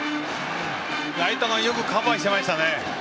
ライトがよくカバーしていましたね。